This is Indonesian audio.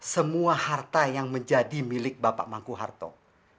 semua harta yang menjadi milik bapak mangku harto